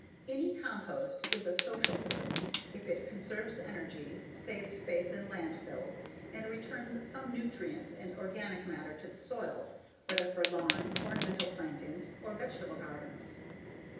Any compost is a "social good" if it conserves energy, saves space in landfills and returns some nutrients and organic matter to the soil, whether for lawns, ornamental plantings, or vegetable gardens.